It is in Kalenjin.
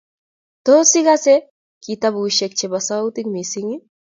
Tos, igase kitabushekab chebo sautit missing ?